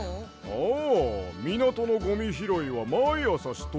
ああみなとのゴミひろいはまいあさしとるで。